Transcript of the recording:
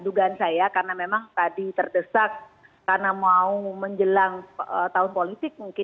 dugaan saya karena memang tadi terdesak karena mau menjelang tahun politik mungkin